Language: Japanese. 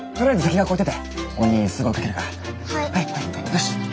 よし！